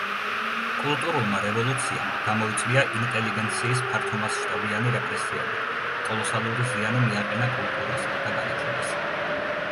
კულტურულმა რევოლუციამ გამოიწვია ინტელიგენციის ფართომასშტაბიანი რეპრესიები, კოლოსალური ზიანი მიაყენა კულტურასა და განათლებას.